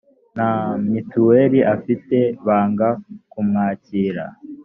nta mutuel afite banga kumwakira